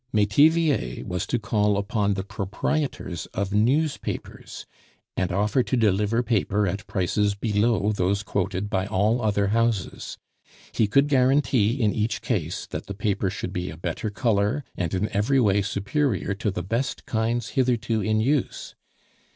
Metivier was to call upon the proprietors of newspapers, and offer to deliver paper at prices below those quoted by all other houses; he could guarantee in each case that the paper should be a better color, and in every way superior to the best kinds hitherto in use.